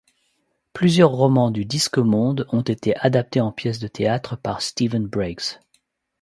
Plusieurs romans du Disque-monde ont été adaptés en pièces de théâtre par Stephen Briggs.